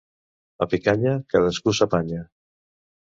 A Picanya, cadascú s'apanya.